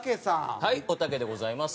はいおたけでございます。